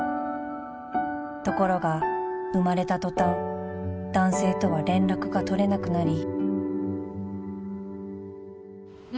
［ところが生まれた途端男性とは連絡が取れなくなり］